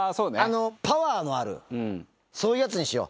パワーのある、そういうやつにしよう。